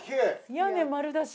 屋根丸出し。